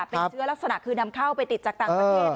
เป็นเชื้อลักษณะคือนำเข้าไปติดจากต่างประเทศ